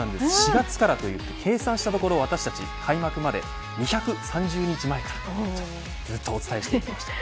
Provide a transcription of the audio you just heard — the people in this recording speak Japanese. ４月から計算したところ私達開幕までに１３０日前からずっとお伝えしてきました。